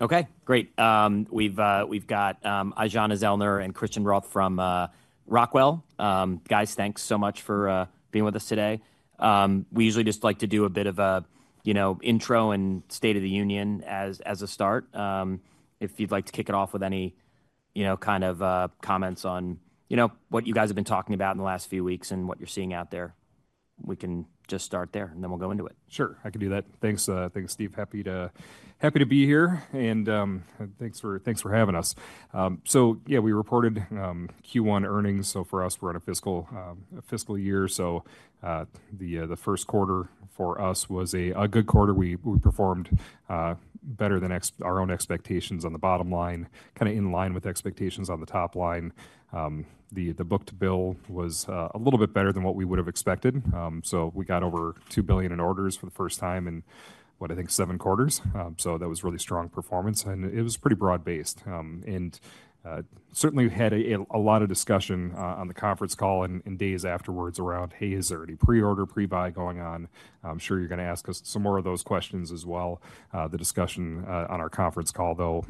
Okay, great. We've got Aijana Zellner and Christian Rothe from Rockwell. Guys, thanks so much for being with us today. We usually just like to do a bit of a intro and State of the Union as a start. If you'd like to kick it off with any kind of comments on what you guys have been talking about in the last few weeks and what you're seeing out there, we can just start there, and then we'll go into it. Sure, I can do that. Thanks, thanks, Steve. Happy to, happy to be here. And, thanks for, thanks for having us. Yeah, we reported Q1 earnings. For us, we're on a fiscal year. The first quarter for us was a good quarter. We performed better than our own expectations on the bottom line, kind of in line with expectations on the top line. The book-to-bill was a little bit better than what we would have expected. We got over $2 billion in orders for the first time in, what, I think, seven quarters. That was really strong performance, and it was pretty broad-based. We certainly had a lot of discussion on the conference call and days afterwards around, hey, is there any pre-order, pre-buy going on? I'm sure you're gonna ask us some more of those questions as well. The discussion on our conference call, though,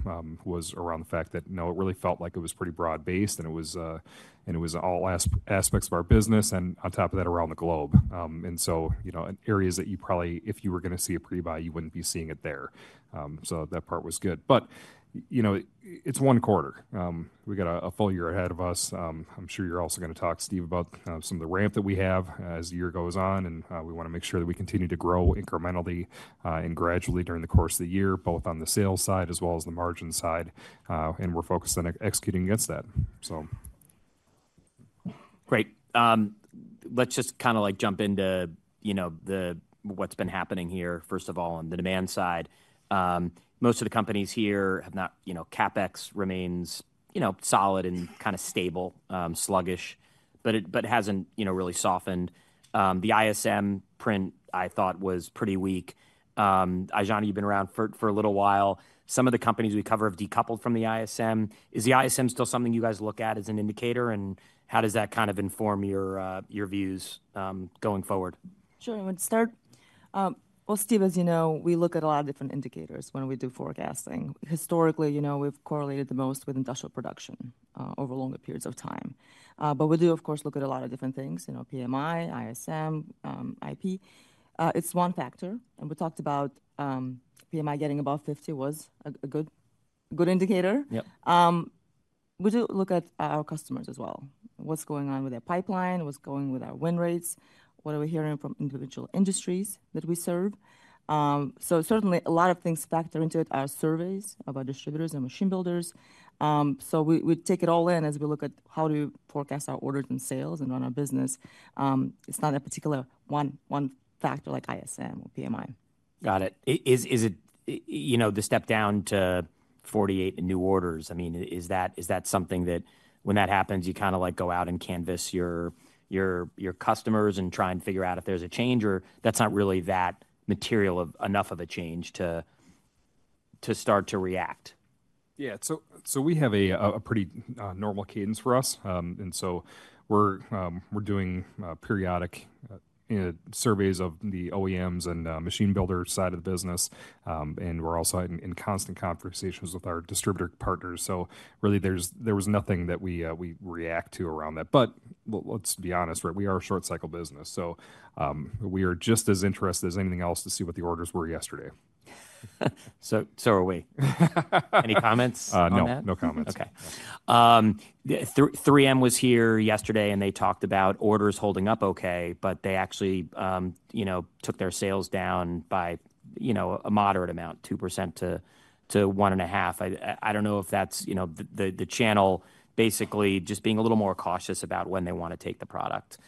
was around the fact that, it really felt like it was pretty broad-based and it was, and it was all aspects of our business and on top of that around the globe. And so, you know, in areas that you probably, if you were going to see a pre-buy, you wouldn't be seeing it there. That part was good. You know, it's one quarter. We got a full year ahead of us. I'm sure you're also gonna talk, Steve, about some of the ramp that we have, as the year goes on. We want to make sure that we continue to grow incrementally, and gradually during the course of the year, both on the sales side as well as the margin side. We're focused on executing against that. Great. Let's just kind of like jump into, what's been happening here, first of all, on the demand side. Most of the companies here have not, you know, CapEx remains, you know, solid and kind of stable, sluggish, but it hasn't, you know, really softened. The ISM print I thought was pretty weak. Aijana, you've been around for a little while. Some of the companies we cover have decoupled from the ISM. Is the ISM still something you guys look at as an indicator, and how does that kind of inform your views, going forward? Sure. I would start, Steve, as you know, we look at a lot of different indicators when we do forecasting. Historically, you know, we've correlated the most with industrial production, over longer periods of time. We do, of course, look at a lot of different things, you know, PMI, ISM, IP. It is one factor. We talked about PMI getting above 50 was a good indicator. We do look at our customers as well. What's going on with their pipeline? What's going with our win rates? What are we hearing from individual industries that we serve? Certainly, a lot of things factor into it are surveys about distributors and machine builders. We take it all in as we look at how do we forecast our orders and sales and run our business. It's not a particular one, factor like ISM or PMI. Got it. Is it, you know, the step down to 48 new orders? I mean, is that something that when that happens, you kind of like go out and canvas your customers and try and figure out if there's a change or that's not really that material of enough of a change to start to react? Yeah. So we have a pretty normal cadence for us, and so we're doing periodic surveys of the OEMs and machine builder side of the business, and we're also in constant conversations with our distributor partners. So really there was nothing that we react to around that. Let's be honest, right? We are a short-cycle business. So we are just as interested as anything else to see what the orders were yesterday. So are we. Any comments on that? No, no comments. Okay. 3M was here yesterday and they talked about orders holding up okay, but they actually, you know, took their sales down by a moderate amount, 2%-1.5%. I don't know if that's, you know, the channel basically just being a little more cautious about when they want to take the product.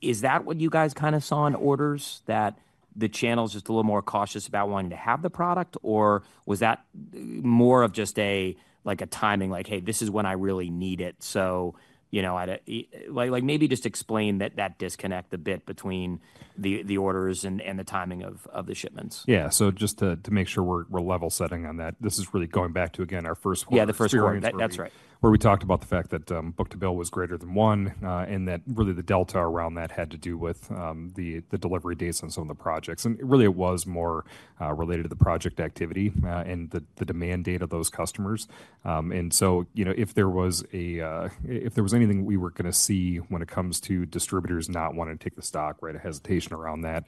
Is that what you guys kind of saw in orders, that the channel's just a little more cautious about wanting to have the product? Or was that more of just a, like a timing, like, hey, this is when I really need it. So, you know, I'd, like, like maybe just explain that disconnect a bit between the orders and the timing of the shipments. Yeah. Just to make sure we're level setting on that. This is really going back to, again, our first one. Yeah, the first one. That's right. Where we talked about the fact that book-to-bill was greater than one, and that really the delta around that had to do with the delivery dates on some of the projects. It was more related to the project activity and the demand date of those customers. You know, if there was anything we were going to see when it comes to distributors not wanting to take the stock, right, a hesitation around that,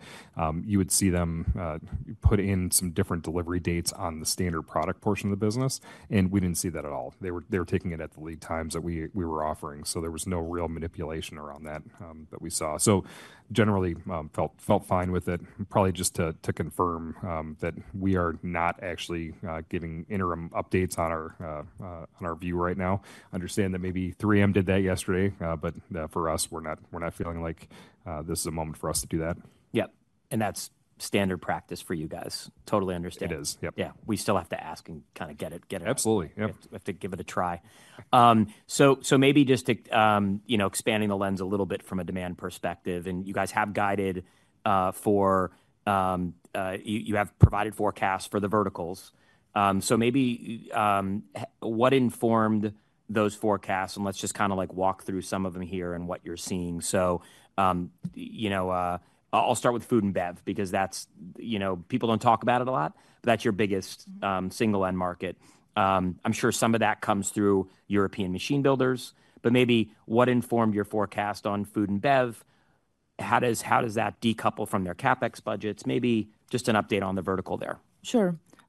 you would see them put in some different delivery dates on the standard product portion of the business. We didn't see that at all. They were taking it at the lead times that we were offering. There was no real manipulation around that that we saw. Generally, felt fine with it. Probably just to confirm that we are not actually giving interim updates on our view right now. Understand that maybe 3M did that yesterday, but for us, we're not feeling like this is a moment for us to do that. Yep. And that's standard practice for you guys. Totally understand. It is. Yeah. Yeah. We still have to ask and kind of get it, get it. Absolutely. Yeah. Have to give it a try. Maybe just to, expanding the lens a little bit from a demand perspective, and you guys have guided, for, you have provided forecasts for the verticals. Maybe, what informed those forecasts? Let's just kind of like walk through some of them here and what you're seeing. You know, I'll start with food and bev because that's, you know, people don't talk about it a lot, but that's your biggest, single end market. I'm sure some of that comes through European machine builders, but maybe what informed your forecast on food and bev? How does, how does that decouple from their CapEx budgets? Maybe just an update on the vertical there.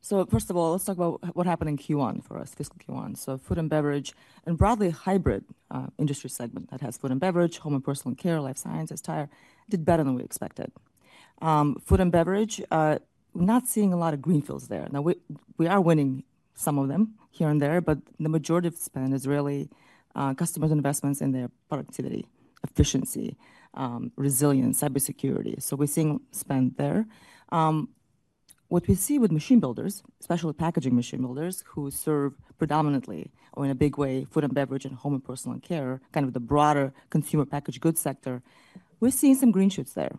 Sure. First of all, let's talk about what happened in Q1 for us, fiscal Q1. Food and beverage and broadly hybrid, industry segment that has food and beverage, home and personal care, life sciences, tire did better than we expected. Food and beverage, not seeing a lot of greenfields there. Now we are winning some of them here and there, but the majority of spend is really customers' investments in their productivity, efficiency, resilience, cybersecurity. We are seeing spend there. What we see with machine builders, especially packaging machine builders who serve predominantly or in a big way food and beverage and home and personal care, kind of the broader consumer packaged goods sector, we are seeing some green shoots there.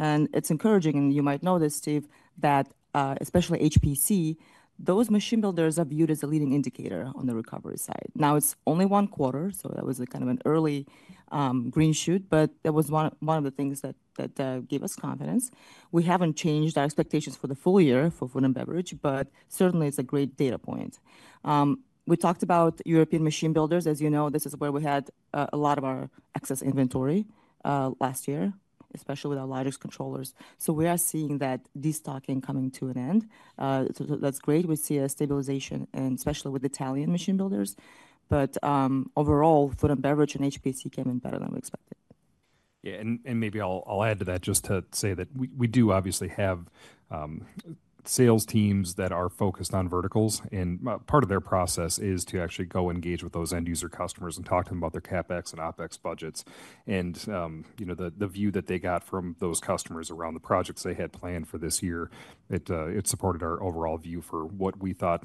It is encouraging, and you might notice, Steve, that especially HPC, those machine builders are viewed as a leading indicator on the recovery side. Now it's only one quarter. That was a kind of an early, green shoot, but that was one of the things that gave us confidence. We haven't changed our expectations for the full year for food and beverage, but certainly it's a great data point. We talked about European machine builders. As you know, this is where we had a lot of our excess inventory last year, especially with our largest controllers. We are seeing that destocking coming to an end. That's great. We see a stabilization, especially with Italian machine builders. Overall, food and beverage and HPC came in better than we expected. Yeah. Maybe I'll add to that just to say that we do obviously have sales teams that are focused on verticals, and part of their process is to actually go engage with those end-user customers and talk to 'em about their CapEx and OpEx budgets. You know, the view that they got from those customers around the projects they had planned for this year, it supported our overall view for what we thought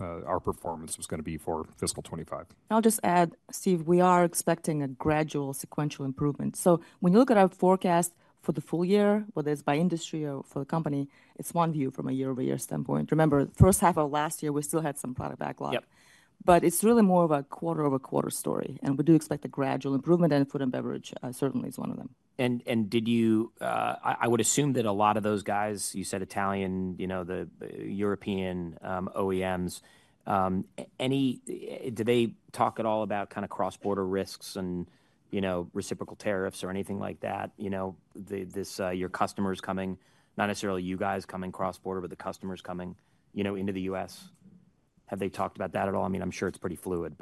our performance was going to be for fiscal 2025. I'll just add, Steve, we are expecting a gradual sequential improvement. When you look at our forecast for the full year, whether it's by industry or for the company, it's one view from a year-over-year standpoint. Remember, the first half of last year, we still had some product backlog. Yeah. It is really more of a quarter-over-quarter story. We do expect a gradual improvement, and food and beverage certainly is one of them. Did you-- I would assume that a lot of those guys, you said Italian, you know, the European OEMs, do they talk at all about kind of cross-border risks and, you know, reciprocal tariffs or anything like that? You know, your customers coming, not necessarily you guys coming cross-border, but the customers coming into the U.S.? Have they talked about that at all? I mean, I'm sure it's pretty fluid.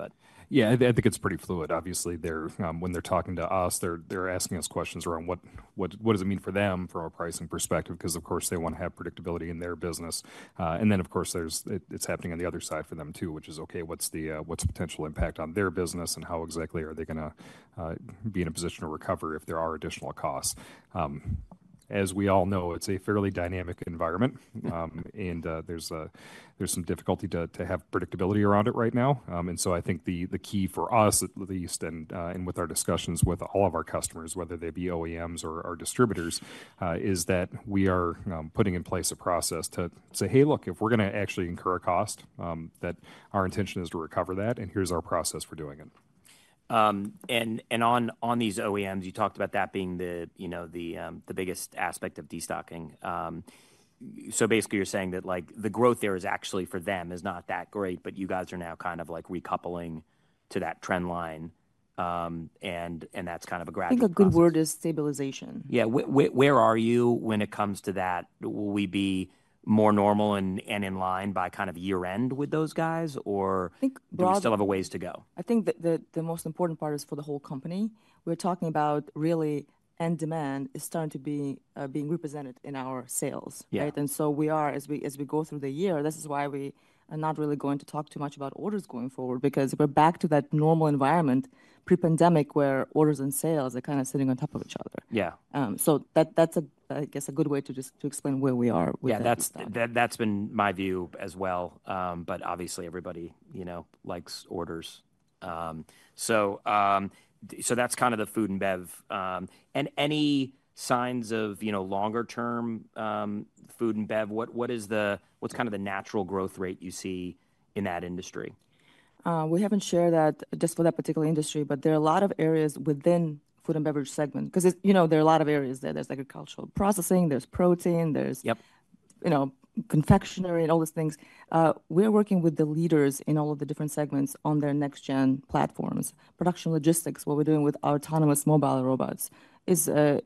Yeah, I think it's pretty fluid. Obviously, when they're talking to us, they're asking us questions around what does it mean for them from a pricing perspective, 'cause of course, they want to have predictability in their business. There is, it's happening on the other side for them too, which is, okay, what's the potential impact on their business, and how exactly are they gonna be in a position to recover if there are additional costs? As we all know, it's a fairly dynamic environment, and there's some difficulty to have predictability around it right now. I think the key for us at least, and with our discussions with all of our customers, whether they be OEMs or our distributors, is that we are putting in place a process to say, hey, look, if we're going to actually incur a cost, that our intention is to recover that, and here's our process for doing it. And on these OEMs, you talked about that being the biggest aspect of destocking. Basically, you're saying that like the growth there is actually for them is not that great, but you guys are now kind of like recoupling to that trend line, and that's kind of a gradual thing. I think a good word is stabilization. Yeah. Where are you when it comes to that? Will we be more normal and in line by kind of year-end with those guys or do you still have a ways to go? I think the most important part is for the whole company. We're talking about really end demand is starting to be represented in our sales. Right? As we go through the year, this is why we are not really going to talk too much about orders going forward because if we are back to that normal environment pre-pandemic where orders and sales are kind of sitting on top of each other. That's a, I guess, a good way to just explain where we are with that stuff. Yeah, that's been my view as well. Obviously everybody, you know, likes orders. That's kind of the food and bev. Any signs of longer term, food and bev? What is the, what's kind of the natural growth rate you see in that industry? We haven't shared that just for that particular industry, but there are a lot of areas within the food and beverage segment. 'Cause it's, you know, there are a lot of areas there. There's agricultural processing, there's protein, there's. You know, confectionery and all those things. We are working with the leaders in all of the different segments on their next-gen platforms. Production logistics, what we're doing with autonomous mobile robots is a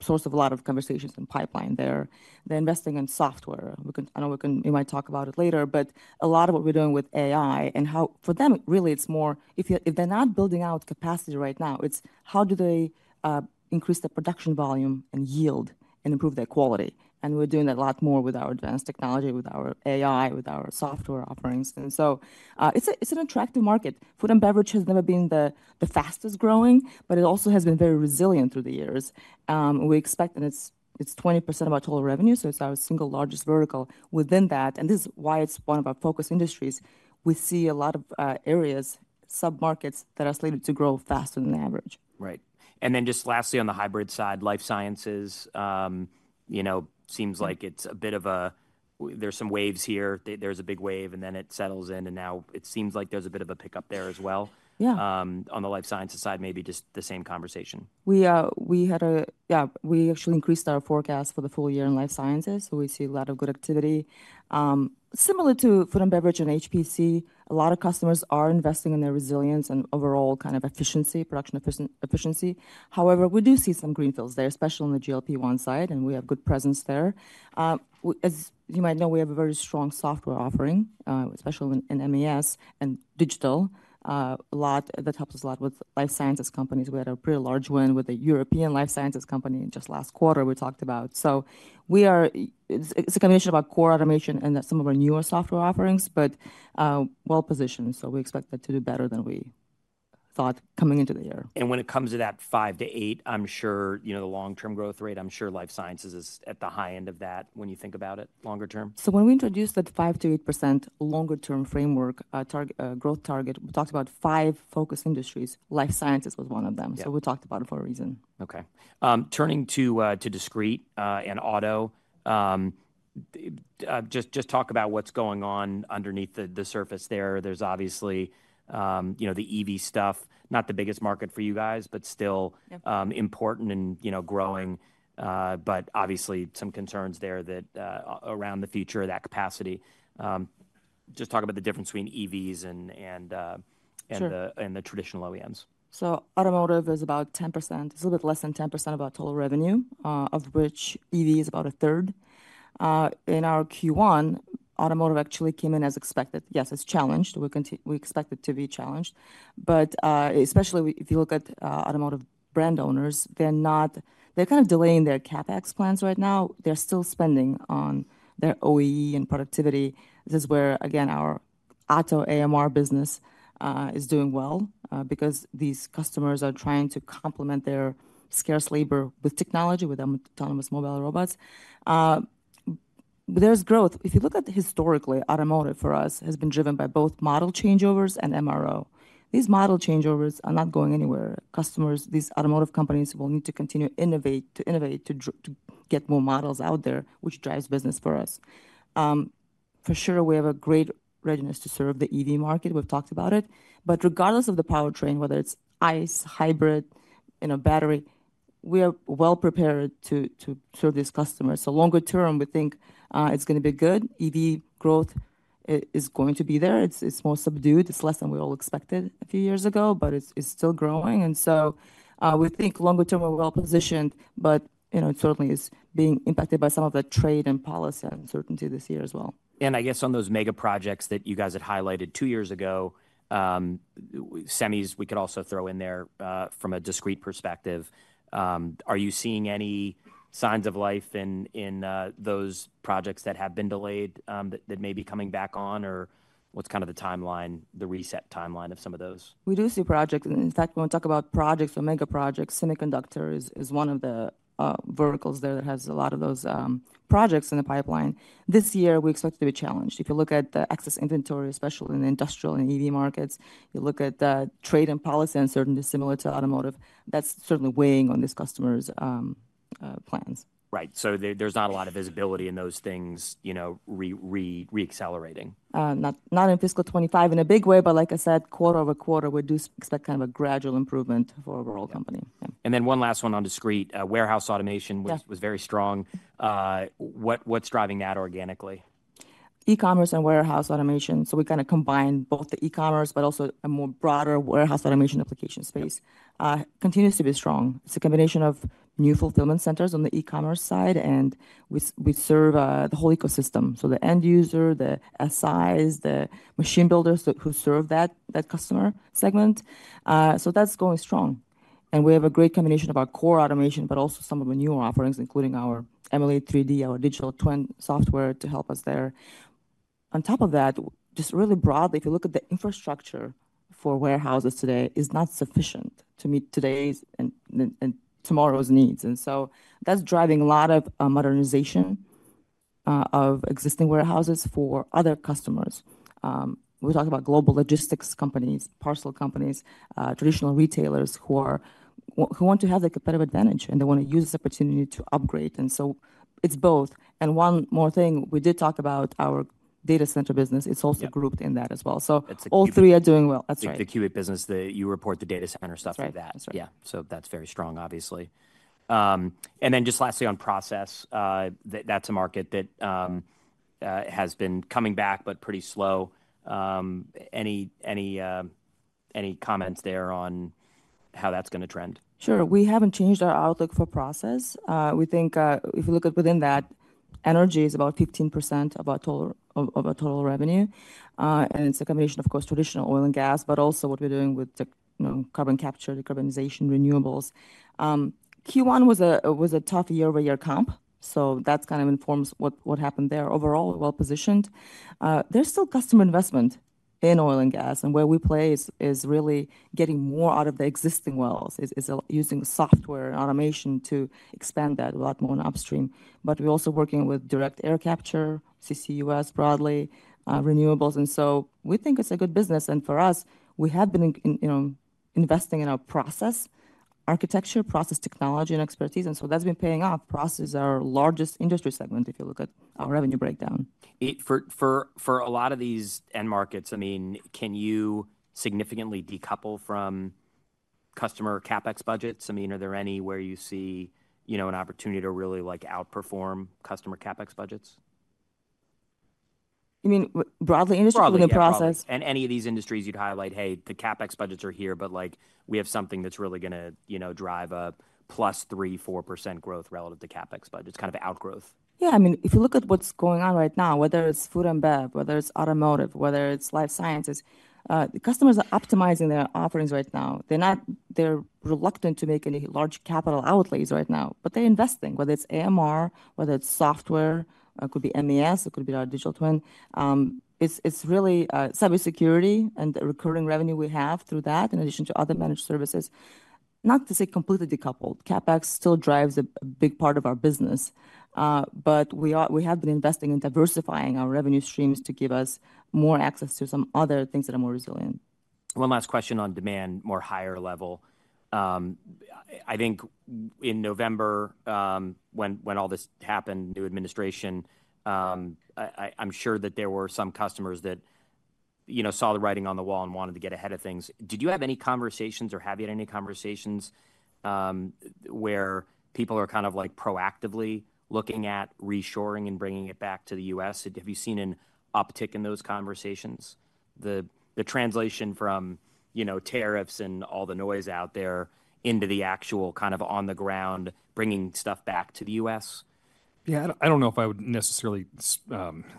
source of a lot of conversations and pipeline there. They're investing in software. I know we can, we might talk about it later, but a lot of what we're doing with AI and how for them, really it's more if you, if they're not building out capacity right now, it's how do they increase their production volume and yield and improve their quality. We're doing that a lot more with our advanced technology, with our AI, with our software offerings. It's an attractive market. Food and beverage has never been the fastest growing, but it also has been very resilient through the years. We expect, and it's 20% of our total revenue. It is our single largest vertical within that. This is why it is one of our focus industries. We see a lot of areas, sub-markets that are slated to grow faster than the average. Right. Lastly, on the hybrid side, life sciences, you know, seems like it's a bit of a, there's some waves here, there's a big wave, and then it settles in, and now it seems like there's a bit of a pickup there as well. Yeah. On the life sciences side, maybe just the same conversation. We had a, yeah, we actually increased our forecast for the full year in life sciences. We see a lot of good activity, similar to food and beverage and HPC. A lot of customers are investing in their resilience and overall kind of efficiency, production efficiency. However, we do see some greenfields there, especially on the GLP-1 side, and we have good presence there. As you might know, we have a very strong software offering, especially in MES and digital, a lot that helps us a lot with life sciences companies. We had a pretty large win with a European life sciences company just last quarter we talked about. It is a combination of our core automation and some of our newer software offerings, but well-positioned. We expect that to do better than we thought coming into the year. When it comes to that five-eight, the long-term growth rate, I'm sure life sciences is at the high end of that when you think about it longer term. When we introduced that 5%-8% longer term framework, target, growth target, we talked about five focus industries. Life sciences was one of them. We talked about it for a reason. Okay. Turning to discrete and auto, just talk about what's going on underneath the surface there. There's obviously, the EV stuff, not the biggest market for you guys, but still important and growing. Obviously some concerns there around the future of that capacity. Just talk about the difference between EVs and the traditional OEMs. Automotive is about 10%, a little bit less than 10% of our total revenue, of which EV is about a third. In our Q1, automotive actually came in as expected. Yes, it's challenged. We continue, we expect it to be challenged. Especially if you look at automotive brand owners, they're not--, they're kind of delaying their CapEx plans right now. They're still spending on their OEE and productivity. This is where, again, our auto AMR business is doing well, because these customers are trying to complement their scarce labor with technology, with autonomous mobile robots. There's growth. If you look at historically, automotive for us has been driven by both model changeovers and MRO. These model changeovers are not going anywhere. Customers, these automotive companies will need to continue to innovate to get more models out there, which drives business for us. For sure, we have a great readiness to serve the EV market. We've talked about it, but regardless of the powertrain, whether it's ICE, hybrid, in a battery, we are well prepared to serve these customers. Longer-term, we think it's going to be good. EV growth is going to be there. It's more subdued. It's less than we all expected a few years ago, but it's still growing. We think longer term we're well positioned, but, you know, it certainly is being impacted by some of the trade and policy uncertainty this year as well. I guess on those mega projects that you guys had highlighted two years ago, semis, we could also throw in there, from a discrete perspective. Are you seeing any signs of life in those projects that have been delayed, that may be coming back on, or what's kind of the timeline, the reset timeline of some of those? We do see projects. In fact, when we talk about projects or mega projects, semiconductor is one of the verticals there that has a lot of those projects in the pipeline. This year we expect to be challenged. If you look at the excess inventory, especially in the industrial and EV markets, you look at the trade and policy uncertainty similar to automotive, that's certainly weighing on these customers' plans. Right. So there's not a lot of visibility in those things, you know, reaccelerating. Not in fiscal 2025 in a big way, but like I said, quarter over quarter, we do expect kind of a gradual improvement for a world company. One last one on discrete, warehouse automation was very strong. What is driving that organically? E-commerce and warehouse automation. We kind of combine both the e-commerce, but also a more broader warehouse automation application space, continues to be strong. It's a combination of new fulfillment centers on the e-commerce side, and we serve the whole ecosystem. The end user, the SIs, the machine builders that serve that Customer segment. That's going strong. We have a great combination of our core automation, but also some of the newer offerings, including our Emulate3D, our digital twin software to help us there. On top of that, just really broadly, if you look at the infrastructure for warehouses today, it's not sufficient to meet today's and tomorrow's needs. That is driving a lot of modernization of existing warehouses for other customers. We're talking about global logistics companies, parcel companies, traditional retailers who want to have the competitive advantage, and they wanna use this opportunity to upgrade. It is both. One more thing, we did talk about our data center business. It is also grouped in that as well. All three are doing well. That's right. The Cubic business that you report, the data center stuff like that. That's right. Yeah. That's very strong, obviously. Just lastly, on process, that's a market that has been coming back, but pretty slow. Any comments there on how that's going to trend? Sure. We haven't changed our outlook for process. We think, if you look at within that, energy is about 15% of our total revenue. And it's a combination of course, traditional oil and gas, but also what we're doing with the carbon capture, decarbonization, renewables. Q1 was a tough year-over-year comp. That kind of informs what happened there. Overall, well-positioned. There's still customer investment in oil and gas. Where we play is really getting more out of the existing wells, is using software and automation to expand that a lot more on upstream. We are also working with direct air capture, CCUS broadly, renewables. We think it's a good business. For us, we have been investing in our process architecture, process technology, and expertise. That's been paying off. Process is our largest industry segment. If you look at our revenue breakdown. For a lot of these end markets, I mean, can you significantly decouple from customer CapEx budgets? I mean, are there any where you see an opportunity to really like outperform customer CapEx budgets? You mean broadly industry within process? Broadly. In any of these industries you'd highlight, hey, the CapEx budgets are here, but like we have something that's really going to, drive a plus 3%-4% growth relative to CapEx budgets, kind of outgrowth. Yeah. I mean, if you look at what's going on right now, whether it's food and bev, whether it's automotive, whether it's life sciences, the customers are optimizing their offerings right now. They're not, they're reluctant to make any large capital outlays right now, but they're investing, whether it's AMR, whether it's software, could be MES, it could be our digital twin. It's really cybersecurity and the recurring revenue we have through that, in addition to other managed services, not to say completely decoupled. CapEx still drives a big part of our business. We have been investing in diversifying our revenue streams to give us more access to some other things that are more resilient. One last question on demand, more higher level. I think in November, when all this happened, new administration, I'm sure that there were some customers that saw the writing on the wall and wanted to get ahead of things. Did you have any conversations or have you had any conversations, where people are kind of like proactively looking at reshoring and bringing it back to the U.S.? Have you seen an uptick in those conversations, the translation from tariffs and all the noise out there into the actual kind of on the ground, bringing stuff back to the U.S.? Yeah, I don't know if I would necessarily,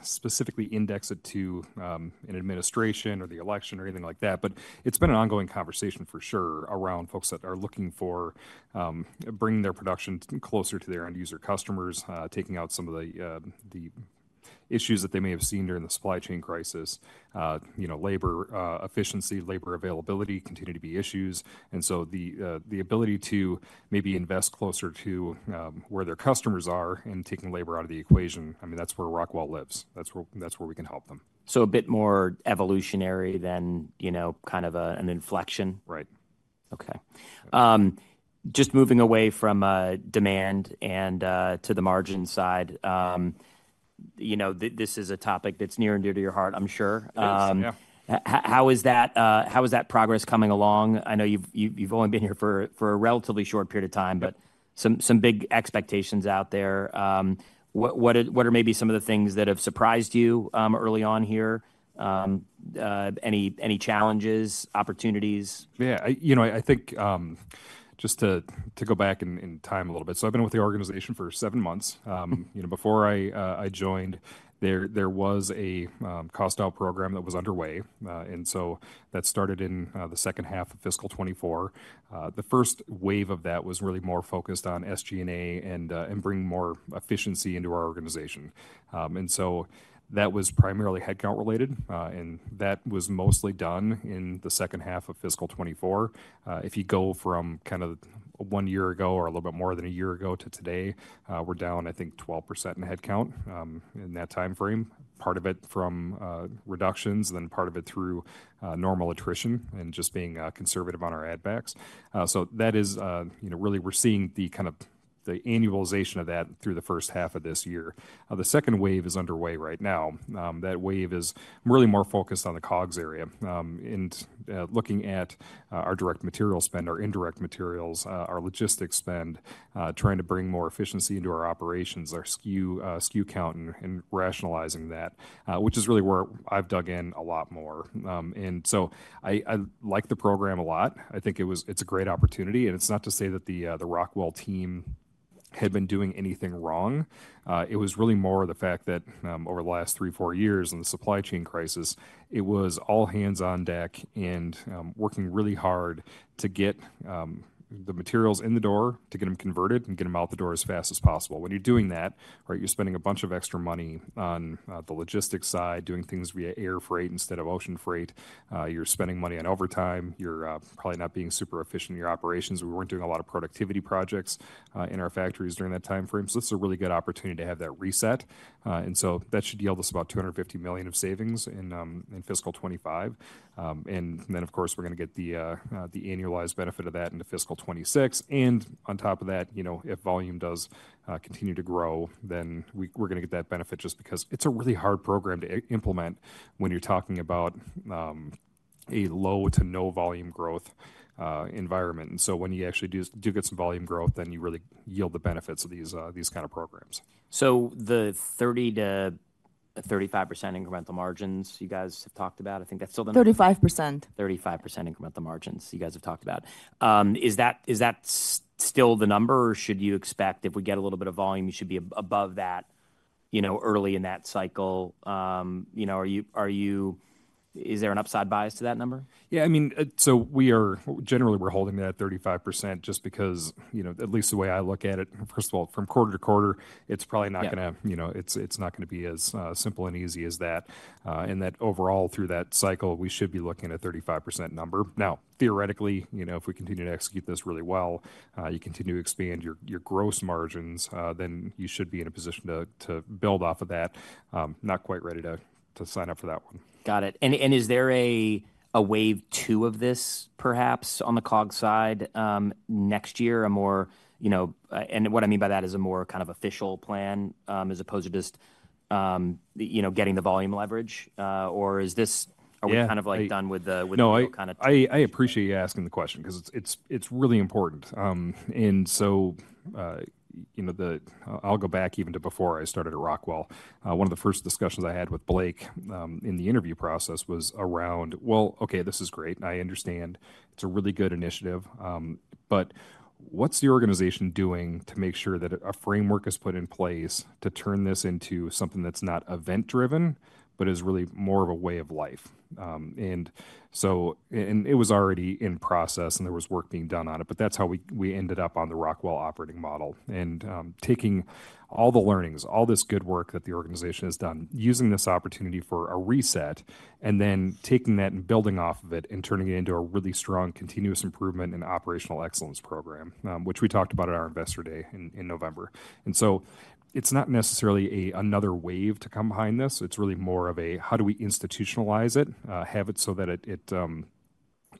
specifically index it to an administration or the election or anything like that, but it's been an ongoing conversation for sure around folks that are looking for bringing their production closer to their end user customers, taking out some of the issues that they may have seen during the supply chain crisis. You know, labor, efficiency, labor availability continue to be issues. I mean, that's where Rockwell lives. That's where, that's where we can help them. A bit more evolutionary than, you know, kind of a, an inflection. Right. Okay. Just moving away from demand and to the margin side, you know, this is a topic that's near and dear to your heart, I'm sure. Yeah. How is that progress coming along? I know you've only been here for a relatively short period of time, but some big expectations out there. What are maybe some of the things that have surprised you early on here? Any challenges, opportunities? Yeah, I think, just to go back in time a little bit. I've been with the organization for seven months. Before I joined, there was a cost out program that was underway. That started in the second half of fiscal 2024. The first wave of that was really more focused on SG&A and bringing more efficiency into our organization. That was primarily headcount-related, and that was mostly done in the second half of fiscal 2024. If you go from kind of one year ago or a little bit more than a year ago to today, we're down, I think, 12% in headcount in that timeframe. Part of it from reductions, and then part of it through normal attrition and just being conservative on our add backs. That is, really we're seeing the kind of the annualization of that through the first half of this year. The second wave is underway right now. That wave is really more focused on the COGS area. Looking at our direct material spend, our indirect materials, our logistics spend, trying to bring more efficiency into our operations, our SKU count, and rationalizing that, which is really where I've dug in a lot more. I like the program a lot. I think it was, it's a great opportunity. It's not to say that the Rockwell team had been doing anything wrong. It was really more the fact that, over the last three, four years, and the supply chain crisis, it was all hands on deck and working really hard to get the materials in the door, to get them converted and get the out the door as fast as possible. When you're doing that, right, you're spending a bunch of extra money on the logistics side, doing things via air freight instead of ocean freight. You're spending money on overtime. You're probably not being super efficient in your operations. We weren't doing a lot of productivity projects in our factories during that timeframe. This is a really good opportunity to have that reset. That should yield us about $250 million of savings in fiscal 2025. Of course, we're going to get the annualized benefit of that in fiscal 2026. On top of that, if volume does continue to grow, then we are going to get that benefit just because it's a really hard program to implement when you're talking about a low to no volume growth environment. When you actually do get some volume growth, then you really yield the benefits of these kind of programs. The 30%-35% incremental margins you guys have talked about, I think that's still the number. 35%. 35% incremental margins you guys have talked about. Is that still the number, or should you expect if we get a little bit of volume, you should be above that, you know, early in that cycle? Is there an upside bias to that number? Yeah, I mean, we are generally, we're holding that 35% just because at least the way I look at it, first of all, from quarter-to-quarter, it's probably you know, it's not going to be as simple and easy as that. And that overall through that cycle, we should be looking at a 35% number. Now, theoretically, if we continue to execute this really well, you continue to expand your gross margins, then you should be in a position to build off of that. Not quite ready to sign up for that one. Got it. Is there a wave two of this perhaps on the COGS side next year, a more, you know, and what I mean by that is a more kind of official plan, as opposed to just, getting the volume leverage, or is this, are we kind of like done with the whole kind of? No, I appreciate you asking the question 'cause it's really important. You know, I'll go back even to before I started at Rockwell. One of the first discussions I had with Blake in the interview process was around, okay, this is great. I understand it's a really good initiative. What's the organization doing to make sure that a framework is put in place to turn this into something that's not event-driven, but is really more of a way of life? It was already in process and there was work being done on it, but that's how we ended up on the Rockwell Operating Model. Taking all the learnings, all this good work that the organization has done, using this opportunity for a reset, and then taking that and building off of it and turning it into a really strong continuous improvement and operational excellence program, which we talked about at our Investor Day in November. It is not necessarily another wave to come behind this. It is really more of a, how do we institutionalize it, have it so that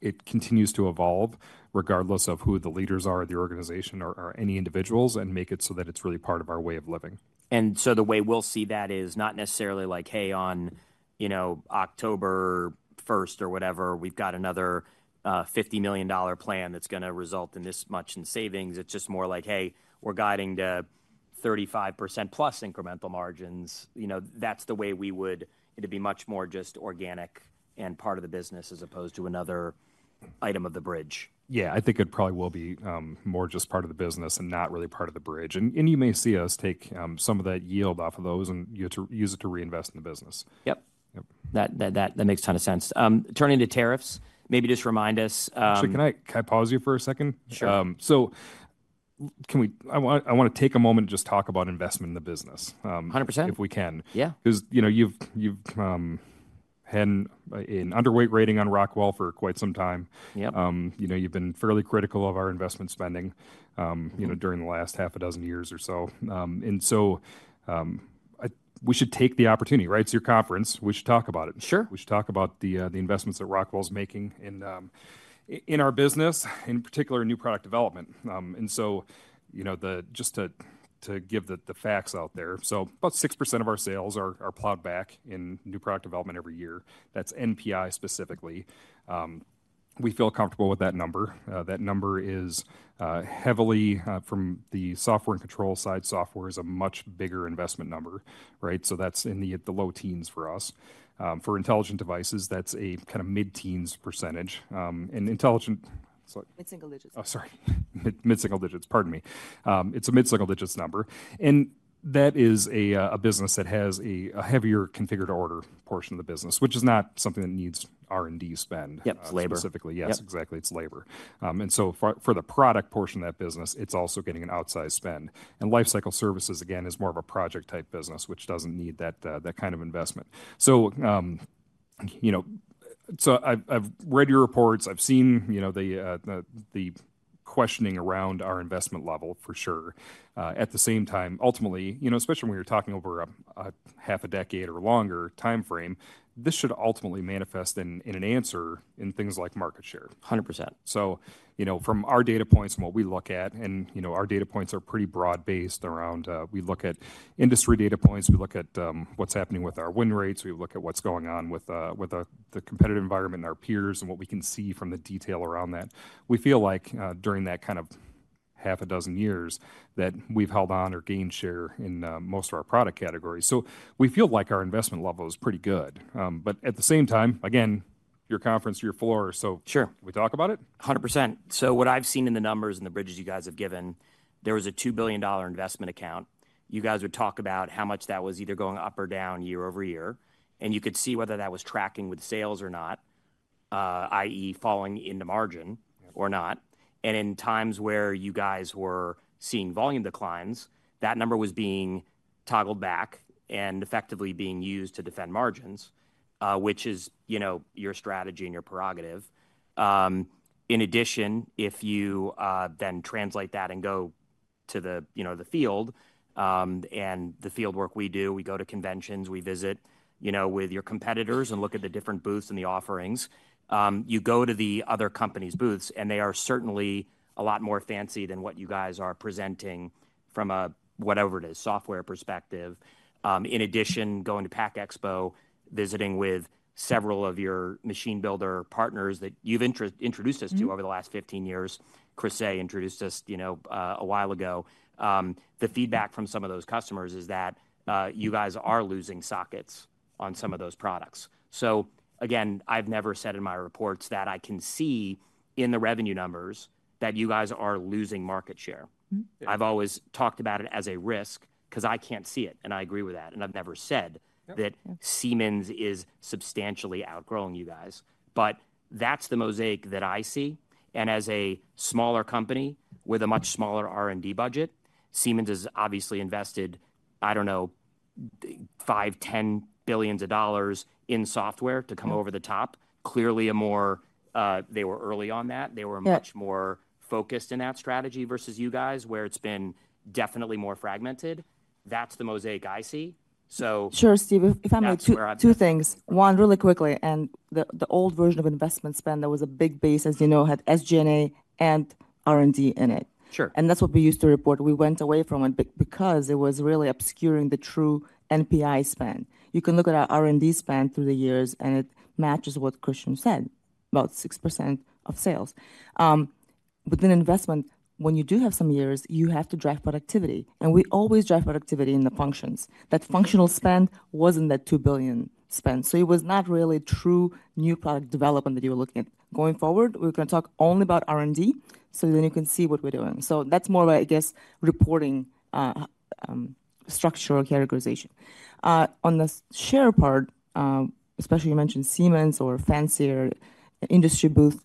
it continues to evolve regardless of who the leaders are at the organization or any individuals, and make it so that it is really part of our way of living. The way we'll see that is not necessarily like, hey, on, October 1 or whatever, we've got another $50 million plan that's going toi result in this much in savings. It's just more like, hey, we're guiding to 35%+ incremental margins. You know, that's the way we would, it'd be much more just organic and part of the business as opposed to another item of the bridge. Yeah, I think it probably will be more just part of the business and not really part of the bridge. You may see us take some of that yield off of those and use it to reinvest in the business. Yeah.That makes a ton of sense. Turning to tariffs, maybe just remind us, Actually, can I pause you for a second? Sure. Can we, I want to take a moment and just talk about investment in the business. A hundred percent. If we can. 'Cause, you've had an underweight rating on Rockwell for quite some time. You know, you've been fairly critical of our investment spending, during the last half a dozen years or so. And so, I, we should take the opportunity, right? It's your conference. We should talk about it. Sure. We should talk about the investments that Rockwell's making in our business, in particular new product development. And so, just to give the facts out there. About 6% of our sales are plowed back in new product development every year. That's NPI specifically. We feel comfortable with that number. That number is heavily from the Software & Control side, software is a much bigger investment number, right? That's in the low teens for us. For Intelligent Devices, that's a kind of mid-teens percentage. And intelligent. Mid-single digits. Oh, sorry. Mid-single digits. Pardon me. It's a mid-single-digits number. And that is a business that has a heavier configured order portion of the business, which is not something that needs R&D spend. Yeah. Labor specifically. Yes, exactly. It's labor, and so for the product portion of that business, it's also getting an outsized spend. And Lifecycle Services, again, is more of a project-type business, which doesn't need that kind of investment. You know, I've read your reports. I've seen the questioning around our investment level for sure. At the same time, ultimately, especially when you're talking over a half a decade or longer timeframe, this should ultimately manifest in an answer in things like market share. A hundred percent. You know, from our data points and what we look at, and, you know, our data points are pretty broad based around, we look at industry data points, we look at what's happening with our win rates, we look at what's going on with the competitive environment and our peers and what we can see from the detail around that. We feel like, during that kind of half a dozen years that we've held on or gained share in most of our product categories. We feel like our investment level is pretty good. At the same time, again, your conference, your floor. Sure. We talk about it. A hundred percent. What I've seen in the numbers and the bridges you guys have given, there was a $2 billion investment account. You guys would talk about how much that was either going up or down year over year, and you could see whether that was tracking with sales or not, i.e. falling in the margin or not. In times where you guys were seeing volume declines, that number was being toggled back and effectively being used to defend margins, which is, you know, your strategy and your prerogative. In addition, if you then translate that and go to the field, and the field work we do, we go to conventions, we visit with your competitors and look at the different booths and the offerings. You go to the other company's booths and they are certainly a lot more fancy than what you guys are presenting from a, whatever it is, software perspective. In addition, going to Pack Expo, visiting with several of your machine builder partners that you've introduced us to over the last 15 years, Chris A. introduced us, a while ago. The feedback from some of those customers is that you guys are losing sockets on some of those products. I have never said in my reports that I can see in the revenue numbers that you guys are losing market share. I have always talked about it as a risk 'cause I can't see it. I agree with that. I have never said that Siemens is substantially outgrowing you guys, but that's the mosaic that I see. As a smaller company with a much smaller R&D budget, Siemens has obviously invested, I don't know, $5 billion-$10 billion in software to come over the top. Clearly a more, they were early on that. They were much more focused in that strategy versus you guys where it's been definitely more fragmented. That's the mosaic I see. Sure, Steve, if I may. That's where I am. Two things. One really quickly, and the old version of investment spend, there was a big base, as you know, had SG&A and R&D in it. That is what we used to report. We went away from it because it was really obscuring the true NPI spend. You can look at our R&D spend through the years and it matches what Christian said, about 6% of sales. Within investment, when you do have some years, you have to drive productivity. We always drive productivity in the functions. That functional spend was not that $2 billion spend. It was not really true new product development that you were looking at. Going forward, we are going to talk only about R&D so then you can see what we are doing. That is more of, I guess, reporting, structure, or categorization. On the share part, especially you mentioned Siemens or fancier industry booth.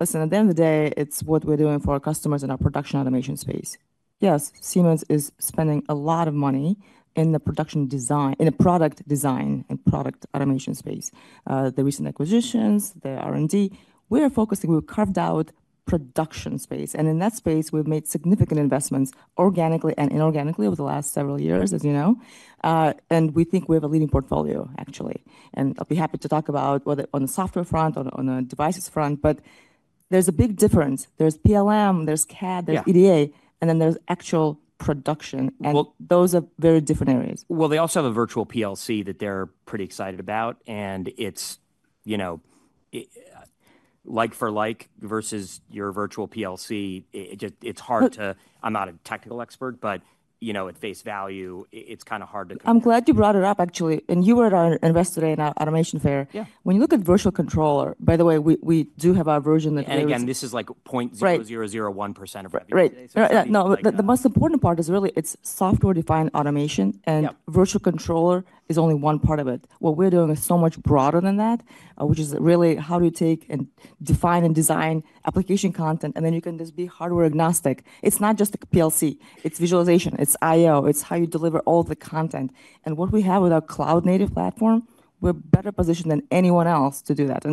Listen, at the end of the day, it is what we are doing for our customers in our production automation space. Yes, Siemens is spending a lot of money in the production design, in the product design and product automation space. The recent acquisitions, the R&D, we are focusing, we've carved out production space. In that space, we've made significant investments organically and inorganically over the last several years, as you know. We think we have a leading portfolio actually. I'll be happy to talk about whether on the software front, on a devices front, but there's a big difference. There's PLM, there's CAD, there's EDA, and then there's actual production. Those are very different areas. They also have a virtual PLC that they're pretty excited about. And it's, you know, like for like versus your virtual PLC, it just, it's hard to, I'm not a technical expert, but, you know, at face value, it's kind of hard to. I'm glad you brought it up actually. You were our investor in our Automation Fair. Yeah. When you look at virtual controller, by the way, we do have our version that. This is like 0.0001% of. Right. No, the most important part is really it's software-defined automation and virtual controller is only one part of it. What we are doing is so much broader than that, which is really how do you take and define and design application content and then you can just be hardware agnostic. It's not just a PLC, it's visualization, it's I/O, it's how you deliver all the content. What we have with our cloud native platform, we're better positioned than anyone else to do that.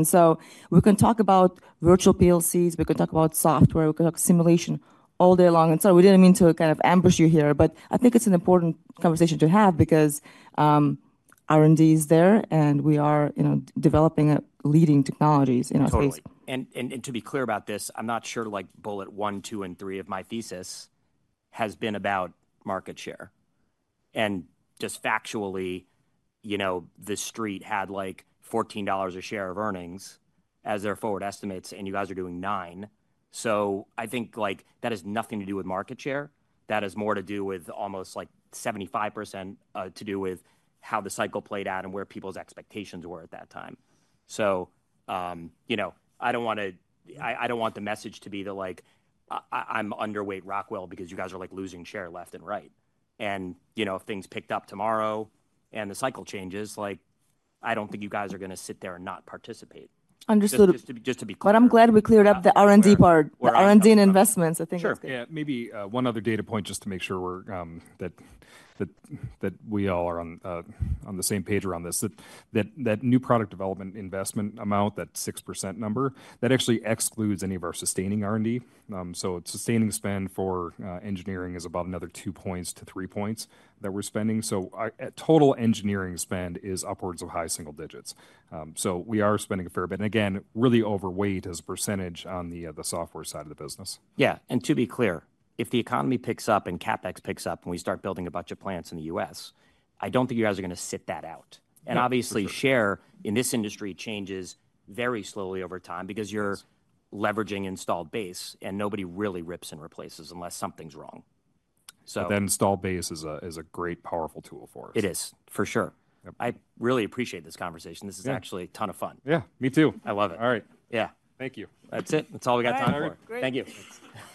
We can talk about virtual PLCs, we can talk about software, we can talk simulation all day long. We did not mean to kind of ambush you here, but I think it's an important conversation to have because R&D is there and we are, you know, developing leading technologies in our field. Totally. And to be clear about this, I'm not sure like bullet one, two, and three of my thesis has been about market share. Just factually, you know, the street had like $14 a share of earnings as their forward estimates, and you guys are doing nine. I think like that has nothing to do with market share. That has more to do with almost like 75% to do with how the cycle played out and where people's expectations were at that time. You know, I don't want the message to be that like, I'm underweight Rockwell because you guys are like losing share left and right. You know, if things picked up tomorrow, and the cycle changes, I don't think you guys are going to sit there and not participate. Understood. Just to be clear. I'm glad we cleared up the R&D part. Well. The R&D and investments, I think. Sure. Yeah. Maybe, one other data point just to make sure we're, that we all are on the same page around this, that new product development investment amount, that 6% number, that actually excludes any of our sustaining R&D. Sustaining spend for engineering is about another two points to three points that we're spending. Our total engineering spend is upwards of high single digits. We are spending a fair bit. Again, really overweight as a percentage on the software side of the business. Yeah. To be clear, if the economy picks up and CapEx picks up and we start building a bunch of plants in the U.S., I do not think you guys are going to sit that out. Obviously, share in this industry changes very slowly over time because you are leveraging installed base and nobody really rips and replaces unless something is wrong. That installed base is a great powerful tool for us. It is for sure. I really appreciate this conversation. This is actually a ton of fun. Yeah. Me too. I love it. All right. Yeah. Thank you. That's it. That's all we got time for. All right. Great. Thank you.